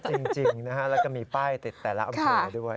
จริงนะฮะแล้วก็มีป้ายติดแต่ละอำเภอด้วย